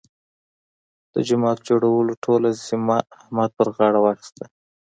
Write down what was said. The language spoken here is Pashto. د جومات جوړولو ټوله ذمه احمد په خپله غاړه واخیستله.